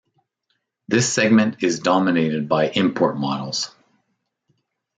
This segment is dominated by import models.